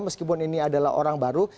meskipun ini adalah orang baru